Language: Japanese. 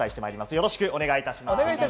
よろしくお願いします。